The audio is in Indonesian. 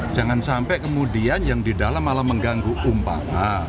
jangan sampai kemudian yang di dalam malah mengganggu umpama